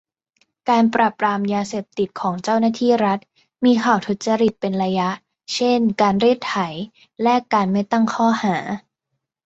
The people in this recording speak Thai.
การปราบปรามยาเสพติดของเจ้าหน้าที่รัฐมีข่าวทุจริตเป็นระยะ เช่น การรีดไถแลกการไม่ตั้งข้อหา